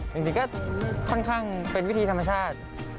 จริงก็ค่อนข้างเป็นวิธีธรรมชาติ